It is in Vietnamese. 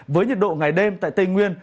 với nhiệt độ ngày đêm tại tây nguyên